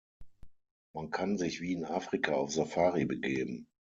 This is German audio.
Man kann sich wie in Afrika auf „Safari“ begeben.